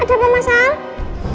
ada apa masal